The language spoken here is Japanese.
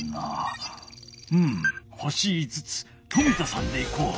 星５つ冨田さんでいこう。